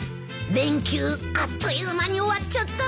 連休あっという間に終わっちゃった。